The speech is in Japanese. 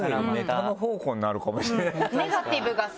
ネタの宝庫になるかもしれない。